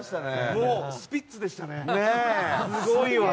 もう、スピッツでしたね。